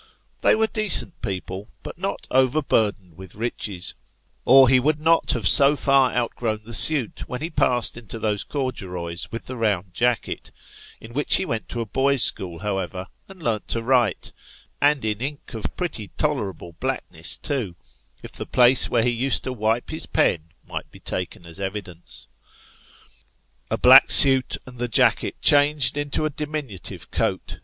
They were decent people, but not overburdened with riches, or he would not have so far outgrown the suit when he passed into those corduroys with the round jacket ; in which he went to a boys' school, however, and learnt to write and in ink of pretty toler able blackness, too, if the place where he used to wipe his pen might be taken as evidence. A black suit and the jacket changed into a diminutive coat.